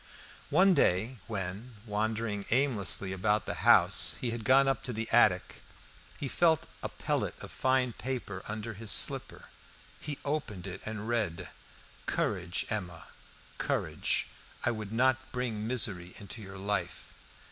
One day when, wandering aimlessly about the house, he had gone up to the attic, he felt a pellet of fine paper under his slipper. He opened it and read: "Courage, Emma, courage. I would not bring misery into your life."